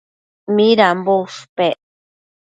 Midambo ushpec